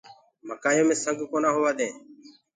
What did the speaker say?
مڪآيو مي سنگ ڪونآ هوآ دينٚ۔